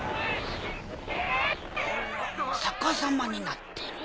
逆さまになってる。